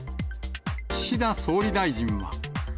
岸田総理大臣は。